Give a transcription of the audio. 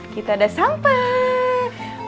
kita sudah sampai